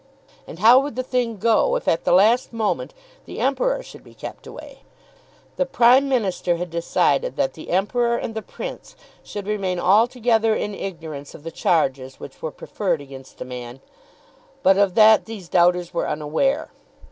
And how would the thing go if at the last moment the Emperor should be kept away? The Prime Minister had decided that the Emperor and the Prince should remain altogether in ignorance of the charges which were preferred against the man; but of that these doubters were unaware.